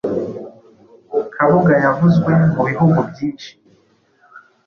Kabuga yavuzwe mu bihugu byinshi